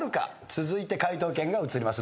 続いて解答権が移ります。